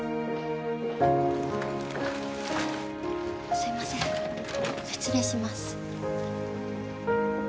すいません失礼します